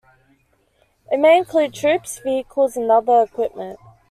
It may include troops, vehicles and other equipment.